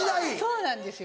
そうなんですよ。